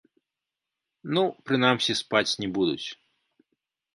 Ну, прынамсі спаць не будуць.